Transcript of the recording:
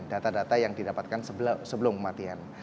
data data yang didapatkan sebelum kematian